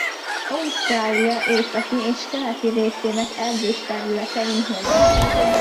Ausztrália északi és keleti részének erdős területein honos.